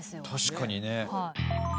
確かにね。